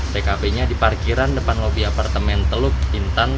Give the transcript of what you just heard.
tkp nya di parkiran depan lobi apartemen teluk intan